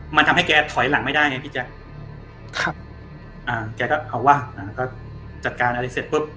มันทำให้แกถอยหลังไม่ได้ไงพี่แจ๊คครับอ่าแกก็เอาว่ะอ่าก็จัดการอะไรเสร็จปุ๊บ